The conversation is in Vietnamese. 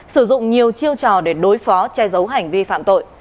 sử dụng nhiều chiêu trò để đối phó che giấu hành vi phạm tội